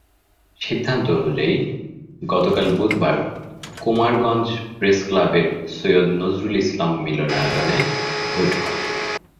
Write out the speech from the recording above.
সিদ্ধান্ত অনুযায়ী, গতকাল বুধবার কোমারগঞ্জ প্রেসক্লাবের সৈয়দ নজরুল ইসলাম মিলনায়তনে ভোট হয়।